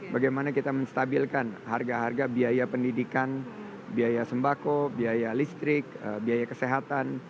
bagaimana kita menstabilkan harga harga biaya pendidikan biaya sembako biaya listrik biaya kesehatan